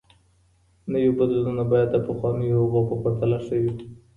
نوي بدلونونه بايد د پخوانيو هغو په پرتله ښه وي.